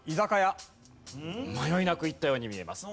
迷いなくいったように見えます。